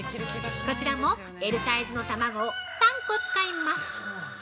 こちらも、Ｌサイズの卵を３個使います！